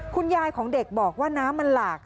คุณยายของเด็กบอกว่าน้ำมันหลาก